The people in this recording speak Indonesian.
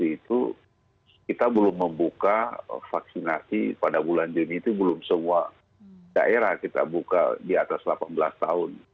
itu kita belum membuka vaksinasi pada bulan juni itu belum semua daerah kita buka di atas delapan belas tahun